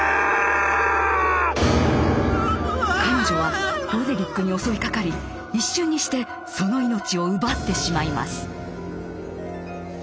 彼女はロデリックに襲いかかり一瞬にしてその命を奪ってしまいます。